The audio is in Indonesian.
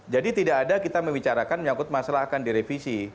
jadi tidak ada kita membicarakan menyokot masalah akan direvisi